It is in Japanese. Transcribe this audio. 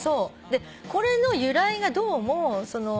でこれの由来がどうもその。